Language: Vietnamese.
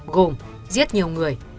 gồm giết nhiều người